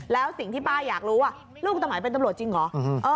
แล้วสิ่งที่ป้าอยากรู้ว่าลูกสมัยเป็นตำรวจจริงเหรอ